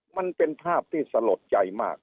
มันเป็นภาพที่สลดใจมาก